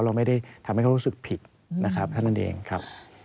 เราไม่ได้ทำให้เขารู้สึกผิดนะครับเท่านั้นเองครับ